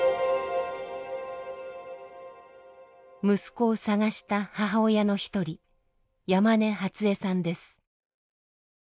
息子を捜した母親の一人山根初恵さんです。